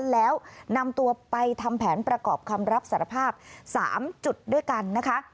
แล้วนำตัวไปทำแผนประกอบคำรับสารภาพ๓จุดด้วยกันนะคะ